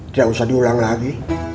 tidak usah diulang lagi